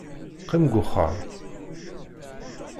Qqim deg uxxam.